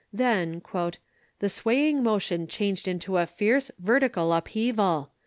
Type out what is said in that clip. Then "the swaying motion changed into fierce, vertical upheaval.